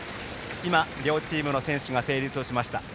今、両チームの選手が整列しました。